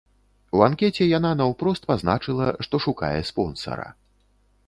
У анкеце яна наўпрост пазначыла, што шукае спонсара.